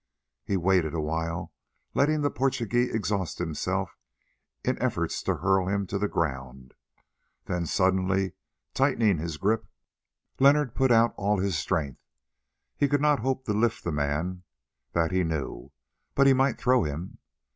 He waited awhile, letting the Portugee exhaust himself in efforts to hurl him to the ground. Then suddenly tightening his grip, Leonard put out all his strength. He could not hope to lift the man, that he knew, but he might throw him.